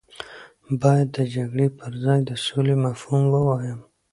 باید د جګړې پر ځای د سولې مفهوم ووایم.